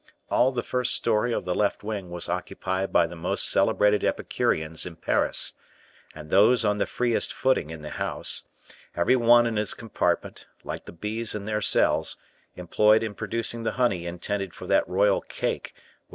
All the first story of the left wing was occupied by the most celebrated Epicureans in Paris, and those on the freest footing in the house every one in his compartment, like the bees in their cells, employed in producing the honey intended for that royal cake which M.